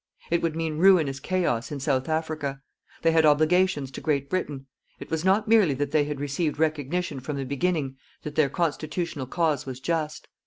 It would mean ruinous chaos in South Africa. They had obligations to Great Britain. It was not merely that they had received recognition from the beginning that their Constitutional cause was just.